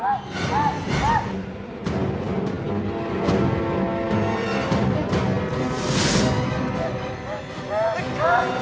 ไอ้ไหน